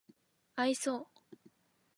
愛想